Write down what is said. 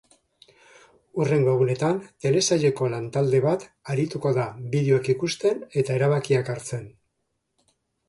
Hurrengo egunetan, telesaileko lantalde bat arituko da bideoak ikusten eta erabakiak hartzen.